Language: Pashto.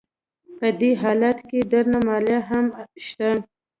په دې حالت کې درنه مالیه هم شته